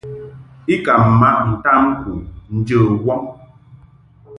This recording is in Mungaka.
I ka maʼ ntamku njə wɔm.